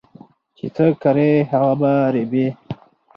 چې څه کرې هغه به ريبې